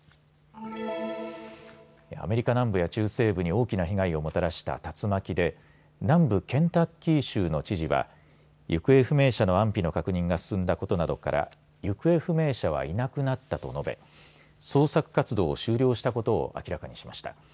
アメリカ南部や中西部に大きな被害をもたらした竜巻で南部ケンタッキー州の知事は行方不明者の安否の確認が進んだことなどから行方不明者はいなくなったと述べ捜索活動を終了したことを明らかにしました。